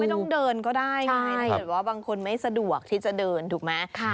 ไม่ต้องเดินก็ได้บางคนไม่สะดวกที่จะเดินถูกไหม